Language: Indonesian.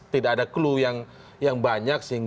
tidak ada clue yang banyak